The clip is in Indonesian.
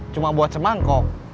cuma buat semangkuk